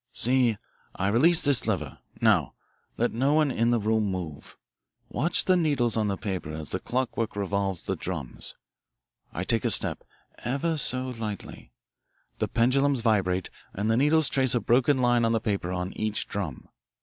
"See, I release this lever now, let no one in the room move. Watch the needles on the paper as the clockwork revolves the drums. I take a step ever so lightly. The pendulums vibrate, and the needles trace a broken line on the paper on each drum.